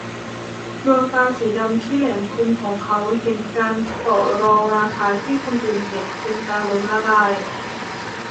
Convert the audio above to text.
ดวงตาสีดำที่แหลมคมของเขาเห็นการต่อรองราคาที่คนอื่นเห็นเป็นการล้มละลาย